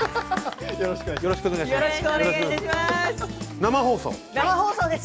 よろしくお願いします。